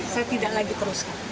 saya tidak lagi teruskan